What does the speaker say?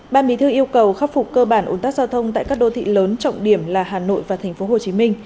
ban bí thư yêu cầu khắc phục cơ bản ổn tắc giao thông tại các đô thị lớn trọng điểm là hà nội và tp hcm